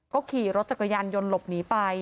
ก็ขี่รถจักรยานยนต์หลบหนีไป